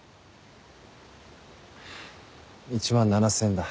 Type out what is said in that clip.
１万７０００円だ。